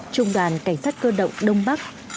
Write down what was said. trung đoàn cảnh sát cơ động đông bắc